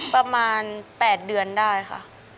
ประมาณ๘เดือนได้ค่ะ